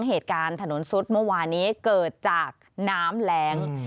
เหตุการณ์ถนนซุดเมื่อวานี้เกิดจากน้ำแรง